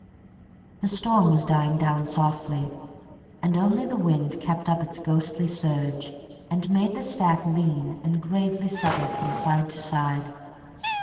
The storm was dying down softly and only the wind kept up its ghostly surge and made the stack lean and gravely settle from side to side.